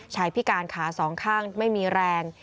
พิการขาสองข้างไม่มีแรง